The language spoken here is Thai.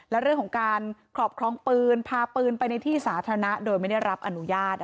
และเรื่องของการครอบครองปืนพาปืนไปในที่สาธารณะโดยไม่ได้รับอนุญาต